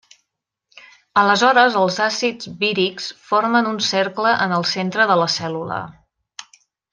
Aleshores els àcids vírics formen un cercle en el centre de la cèl·lula.